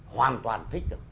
hoàn toàn thích được